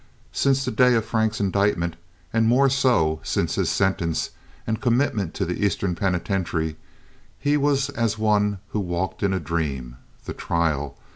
Since the day of Frank's indictment and more so, since his sentence and commitment to the Eastern Penitentiary, he was as one who walked in a dream. That trial!